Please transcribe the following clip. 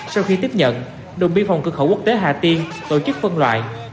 sau khi tiếp nhận đội biên phòng cơ khẩu quốc tế hà tiên tổ chức phân loại